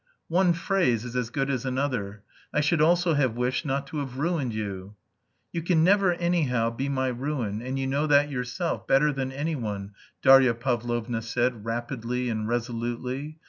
"One phrase is as good as another. I should also have wished not to have ruined you." "You can never, anyhow, be my ruin; and you know that yourself, better than anyone," Darya Pavlovna said, rapidly and resolutely.